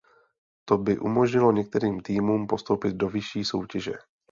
To by umožnilo některým týmům postoupit do vyšší soutěže.